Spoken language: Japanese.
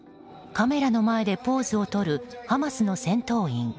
カメラの前でポーズをとるハマスの戦闘員。